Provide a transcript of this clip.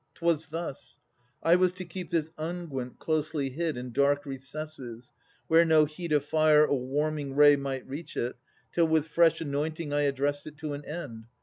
'Twas thus: I was to keep this unguent closely hid In dark recesses, where no heat of fire Or warming ray might reach it, till with fresh Anointing I addressed it to an end.